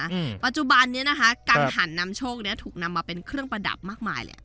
อืมปัจจุบันเนี้ยนะคะกังหันนำโชคเนี้ยถูกนำมาเป็นเครื่องประดับมากมายแหละ